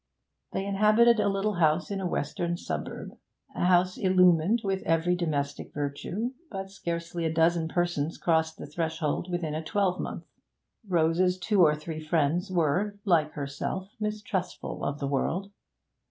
They inhabited a little house in a western suburb, a house illumined with every domestic virtue; but scarcely a dozen persons crossed the threshold within a twelvemonth. Rose's two or three friends were, like herself, mistrustful of the world.